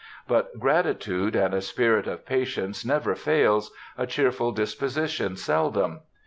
But gratitude and a spirit of patience never fails, a cheerful disposition seldom....